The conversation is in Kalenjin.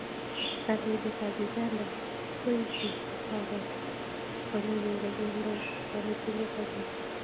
kandoindet ab Uganda koitu karon konyoko kere kendoi kandoindet ake